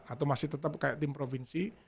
atau masih tetap kayak tim provinsi